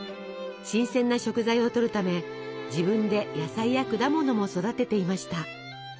新鮮な食材をとるため自分で野菜や果物も育てていました。